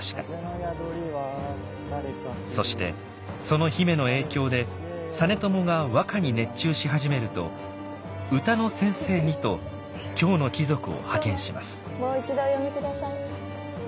そしてその姫の影響で実朝が和歌に熱中し始めると歌の先生にと京の貴族を派遣します。